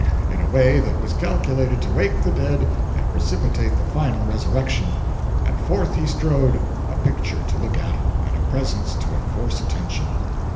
in a way that was calculated to wake the dead and precipitate the final resurrection; and forth he strode, a picture to look at and a presence to enforce attention.